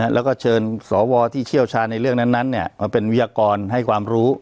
แล้วก็เชิญสวที่เชี่ยวชาญในเรื่องนั้นมาเป็นวิทยากรให้ความรู้